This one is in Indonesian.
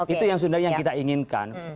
itu yang sebenarnya yang kita inginkan